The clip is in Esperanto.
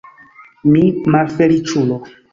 Mi malfeliĉulo!